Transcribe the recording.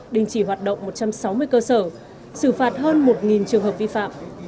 đình chỉ hoạt động một trăm sáu mươi cơ sở xử phạt hơn một trường hợp vi phạm